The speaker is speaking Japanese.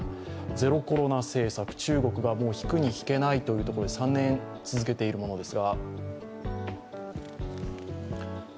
ゼロコロナ政策、中国が引くに引けないということで３年続けているものです。